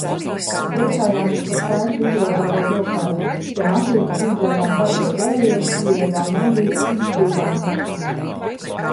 Priecājāmies par skaisti izrotāto pilsētu. Pie mašīnas izdzērām karsto dzērienu, ieēdām maizītes un šķīrāmies.